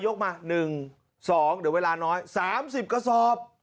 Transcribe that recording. ยกมาหนึ่งสองเดี๋ยวเวลาน้อยสามสิบกระสอบ